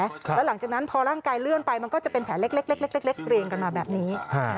แล้วหลังจากนั้นพอร่างกายเลื่อนไปมันก็จะเป็นแผลเล็กเรียงกันมาแบบนี้